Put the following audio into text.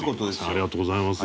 ありがとうございます。